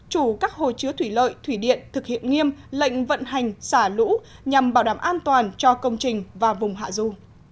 chủ các hồ chứa thủy lợi thủy điện thực hiện nghiêm lệnh vận hành xả lũ nhằm bảo đảm an toàn cho công trình và vùng hạ du